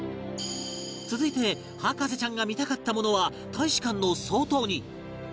続いて博士ちゃんが見たかったものは大使館の外に